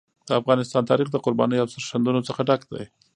د افغانستان تاریخ د قربانیو او سرښندنو څخه ډک دی.